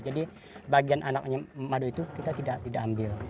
jadi bagian anaknya madu itu kita tidak ambil